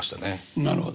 なるほど。